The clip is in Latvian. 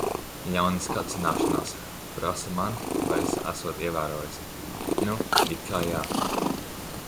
Ļaunas kacināšanās. Prasa man, vai es esot ievērojusi. Nu, it kā jā.